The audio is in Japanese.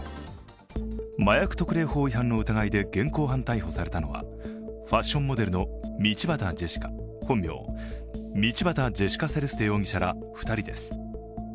麻薬特例法違反の疑いで現行犯逮捕されたのはファッションモデルの道端ジェシカ、本名、道端・ジェシカ・セレステ容疑者ら２人です。